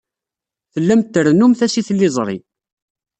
Tellamt trennumt-as i tliẓri.